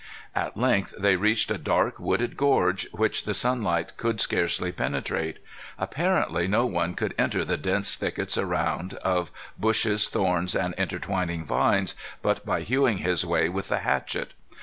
At length they reached a dark wooded gorge, which the sunlight could scarcely penetrate. Apparently no one could enter the dense thickets around, of bushes, thorns, and intertwining vines, but by hewing his way with the hatchet.